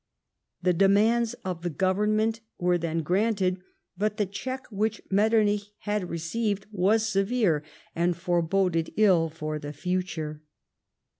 The demands of the Government were then granted, but the check which Metternich had received "was severe, and foreboded ill for the future.